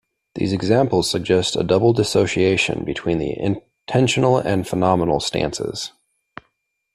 These examples suggest a double dissociation between the intentional and phenomenal stances.